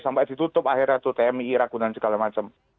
sampai ditutup akhirnya itu tmii ragunan segala macam